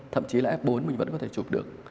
thậm chí là f bốn mình vẫn có thể chụp được